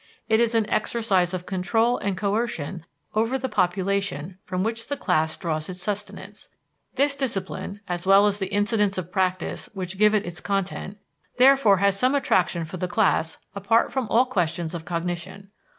It is an exercise of control and coercion over the population from which the class draws its sustenance. This discipline, as well as the incidents of practice which give it its content, therefore has some attraction for the class apart from all questions of cognition.